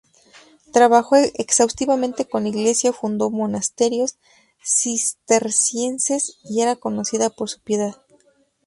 Trabajó exhaustivamente con la Iglesia, fundó monasterios cistercienses y era conocida por su piedad.